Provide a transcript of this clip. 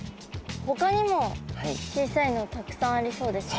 ほかにも小さいのたくさんありそうですね。